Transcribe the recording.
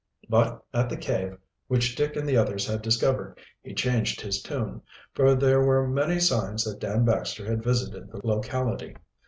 But at the cave which Dick and the others had discovered he changed his tune, for there were many signs that Dan Baxter had visited the locality.